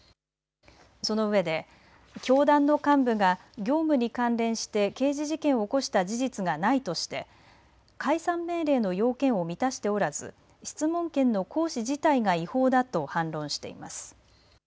そのうえで教団の幹部が業務に関連して刑事事件を起こした事実がないとして、解散命令の要件を満たしておらず、質問権の行使自体が違法だと反論しています。